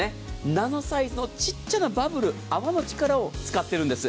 ナノサイズのちっちゃなバブル泡の力を使っているんです。